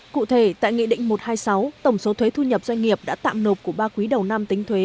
cụ thể tại nghị định một trăm hai mươi sáu tổng số thuế thu nhập doanh nghiệp đã tạm nộp của ba quý đầu năm tính thuế